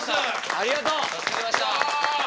ありがとう。